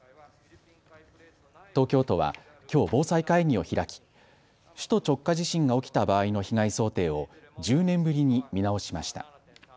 東京都はきょう防災会議を開き首都直下地震が起きた場合の被害想定を１０年ぶりに見直しました。